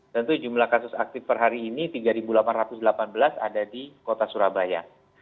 tentu jumlah kasus aktif per hari ini tiga delapan ratus delapan belas ada di kota surabaya